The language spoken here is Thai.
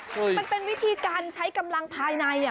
มันเป็นวิธีการใช้กำลังภายในอ่ะ